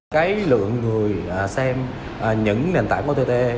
cái lượng người xem những nền tảng ott